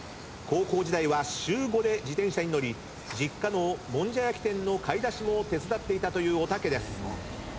高校時代は週５で自転車に乗り実家のもんじゃ焼き店の買い出しも手伝っていたというおたけです。